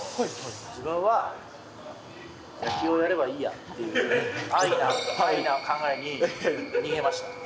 自分は野球をやればいいやっていう、安易な考えに逃げました。